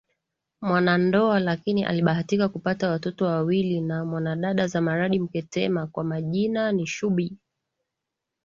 Mwanandoa lakini alibahatika kupata watoto wawili na Mwanadada Zamaradi Mtekema kwa majina ni Shubi